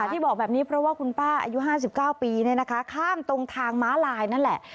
ที่บอกแบบนี้เพราะว่าคุณป้าอายุห้าสิบเก้าปีเนี่ยนะคะข้ามตรงทางม้าลายนั่นแหละ